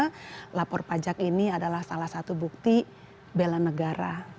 pelakor pajak ini adalah salah satu bukti bela negara